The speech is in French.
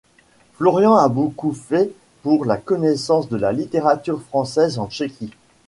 Florian a beaucoup fait pour la connaissance de la littérature française en Tchéquie.